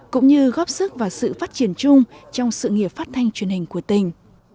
cũng như góp sức vào sự phát triển chung trong sự nghiệp phát thanh truyền hình của tỉnh